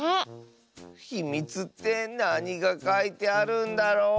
ひみつってなにがかいてあるんだろう？